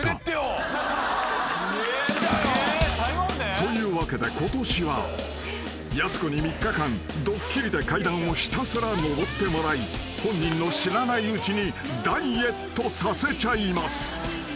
というわけでことしはやす子に３日間ドッキリで階段をひたすら上ってもらい本人の知らないうちにダイエットさせちゃいます］